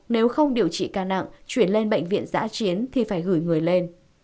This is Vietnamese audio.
nếu không điều trị ca nặng chuyển lên bệnh viện giã chiến thì phải gửi người lên